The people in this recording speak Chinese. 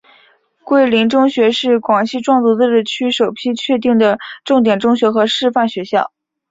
桂林中学是广西壮族自治区首批确定的重点中学和示范学校。